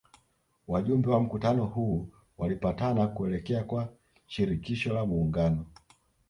Wajumbe wa mkutano huu walipatana kuelekea kwa Shirikisho la muungano